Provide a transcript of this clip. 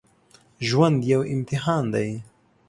ژوند یو امتحان دی